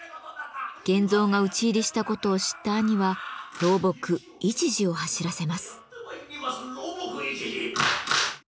源蔵が討ち入りしたことを知った兄は老僕市治を走らせます。